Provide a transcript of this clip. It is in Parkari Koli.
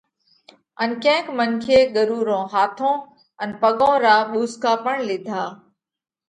ان ڪينڪ منکي ڳرُو رون هاٿون ان پڳون را ٻُوسڪا پڻ لِيڌا۔